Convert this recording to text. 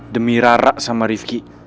demi rara sama rivki